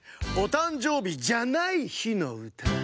「お誕生日じゃない日の歌」。